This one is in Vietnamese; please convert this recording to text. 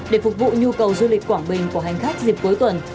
để phục vụ nhu cầu du lịch quảng bình của hành khách dịp cuối tuần